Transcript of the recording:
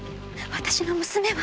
私の娘は？